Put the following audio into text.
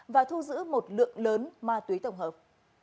và thu giữ một lượng lớn ma túy tổng hợp